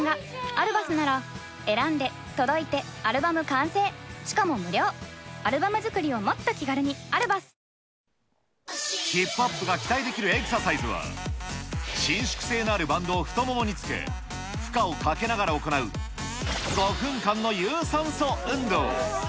そんなお尻の大切さをもっと広めたいと、ヒップアップが期待できるエクササイズは、伸縮性のあるバンドを太ももにつけ、負荷をかけながら行う５分間の有酸素運動。